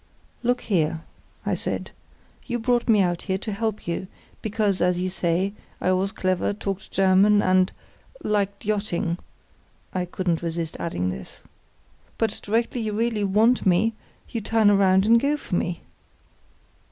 "Look here," I said, "you brought me out here to help you, because, as you say, I was clever, talked German, and—liked yachting (I couldn't resist adding this). But directly you really want me you turn round and go for me."